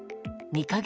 ２か月。